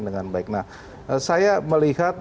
dengan baik nah saya melihat